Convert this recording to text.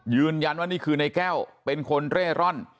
ยืนยันว่านี่คือในแก้วเป็นคนเร่ร่อน